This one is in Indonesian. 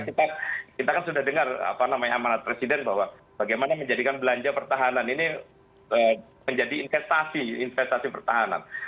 karena kita kan sudah dengar apa namanya amanat presiden bahwa bagaimana menjadikan belanja pertahanan ini menjadi investasi investasi pertahanan